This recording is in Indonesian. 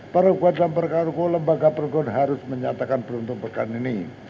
para hukum dalam perkaan hukum lembaga pergun harus menyatakan beruntung pekan ini